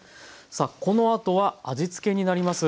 さあこのあとは味付けになります。